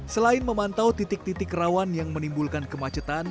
selain memantau titik titik rawan yang menimbulkan kemacetan